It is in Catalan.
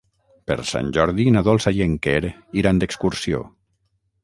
Per Sant Jordi na Dolça i en Quer iran d'excursió.